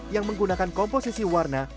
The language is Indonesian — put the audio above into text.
yang menggunakan komposisi warna